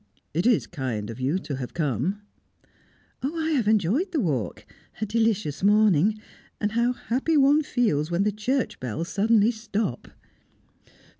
"It is kind of you to have come!" "Oh, I have enjoyed the walk. A delicious morning! And how happy one feels when the church bells suddenly stop!"